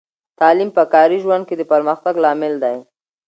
تعلیم په کاري ژوند کې د پرمختګ لامل دی.